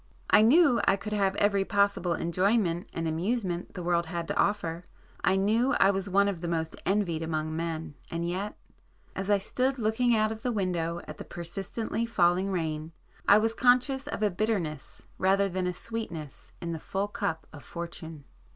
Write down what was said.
I knew I could have every possible enjoyment and amusement the world had to offer,—I knew I was one of the most envied among men, and yet,—as I stood looking out of the window at the persistently falling rain, I was conscious of a bitterness rather than a sweetness in the full cup of fortune.